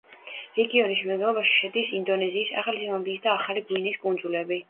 რეგიონის შემადგენლობაში შედის ინდონეზიის, ახალი ზელანდიის და ახალი გვინეის კუნძულები.